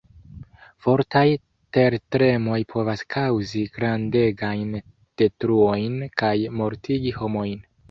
Fortaj tertremoj povas kaŭzi grandegajn detruojn kaj mortigi homojn.